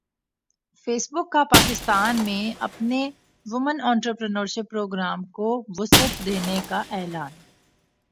face بک کا پاکستان میں اپنے وومن انٹرپرینیورشپ پروگرام کو وسعت دینے کا اعلان